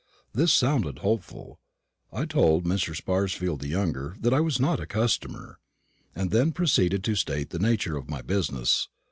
This sounded hopeful. I told Mr. Sparsfield the younger that I was not a customer, and then proceeded to state the nature of my business.